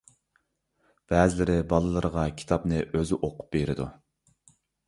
بەزىلىرى بالىلىرىغا كىتابنى ئۆزى ئوقۇپ بېرىدۇ.